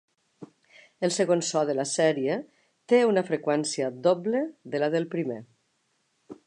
El segon so de la sèrie té una freqüència doble de la del primer.